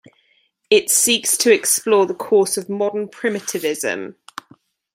It seeks to explore the course of modern primitivism.